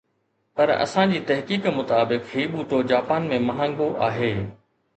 پر اسان جي تحقيق مطابق هي ٻوٽو جاپان ۾ مهانگو آهي